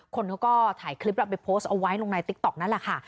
คนเขาก็ถ่ายคลิปแล้วไปโพสต์เอาไว้ลงในติ๊กต๊อกนั่นแหละค่ะ